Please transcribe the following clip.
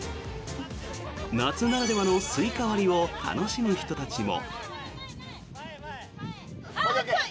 夏ならではのスイカ割りを楽しむ人たちも。